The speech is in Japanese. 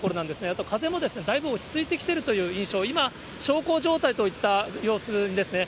あと風もだいぶ落ち着いてきているという状況、今、小康状態といった様子ですね。